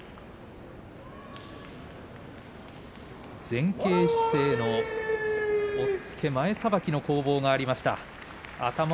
前傾姿勢の押っつけ前さばきの攻防がありました。